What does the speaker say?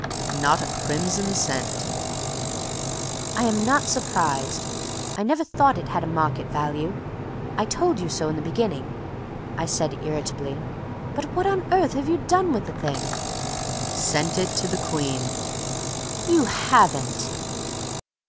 "Not a crimson cent." "I am not surprised. I never thought it had a market value. I told you so in the beginning," I said, irritably. "But what on earth have you done with the thing?" "Sent it to the Queen." "You haven't!"